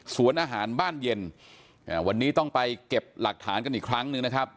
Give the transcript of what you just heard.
อาหารบ้านเย็นวันนี้ต้องไปเก็บหลักฐานกันอีกครั้งหนึ่งนะครับ